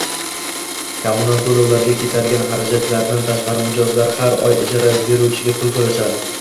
Kommunal to’lovlarga ketadigan harajatlardan tashqari mijozlar har oy ijara beruvchiga pul to’lashadi